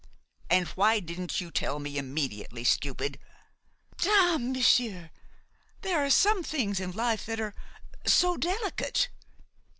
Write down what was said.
" "And why didn't you tell me immediately, stupid?" "Dame! monsieur, there are some things in life that are so delicate!